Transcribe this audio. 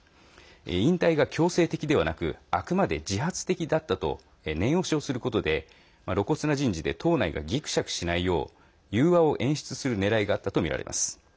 引退が強制的ではなくあくまで自発的だったと念押しをすることで露骨な人事で党内がギクシャクしないよう融和を演出するねらいがあったとみられます。